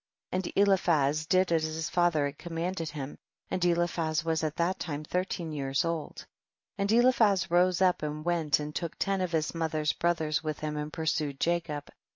33. And Eliphaz did as his father had commanded him, and Eliphaz was at that time thirteen years old, and Eliphaz rose up and went and took ten of his mother's brothers with him and pursued Jacob.